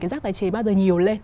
cái rác tái chế bao giờ nhiều lên